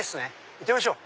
行ってみましょう！